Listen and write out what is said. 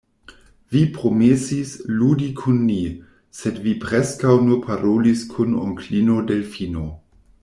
Vi promesis ludi kun ni, sed vi preskaŭ nur parolis kun onklino Delfino.